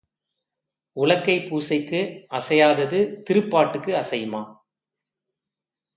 உலக்கைப் பூசைக்கு அசையாதது திருப்பாட்டுக்கு அசையுமா?